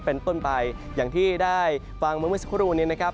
เป็นต้นไปอย่างที่ได้ฟังเมื่อสักครู่นี้นะครับ